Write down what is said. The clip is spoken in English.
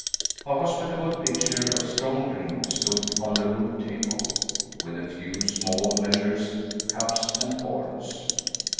A hospitable pitcher of strong drink stood on the rude table, with a few small measures, cups and horns.